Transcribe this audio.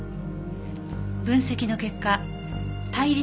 分析の結果対立